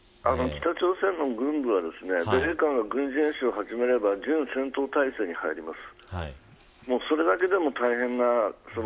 北朝鮮の軍部は米韓が軍事演習を始めれば北朝鮮は準戦闘態勢に入ります。